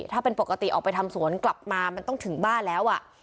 ถ้าเป็นปกติออกไปทำสวนกลับมามันต้องถึงบ้านแล้วอ่ะ